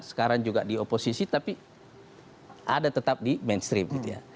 sekarang juga di oposisi tapi ada tetap di mainstream